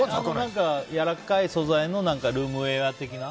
やわらかい素材のルームウェア的な？